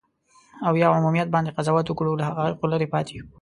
او یا عمومیت باندې قضاوت وکړو، له حقایقو لرې پاتې یو.